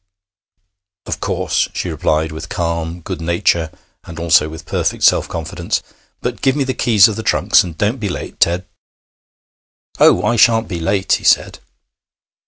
'Of course,' she replied, with calm good nature, and also with perfect self confidence. 'But give me the keys of the trunks, and don't be late, Ted.' 'Oh, I shan't be late,' he said.